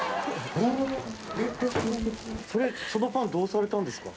そのパンどうされたんですか？